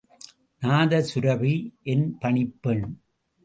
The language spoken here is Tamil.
நாதசுரபி என் பணிப்பெண்!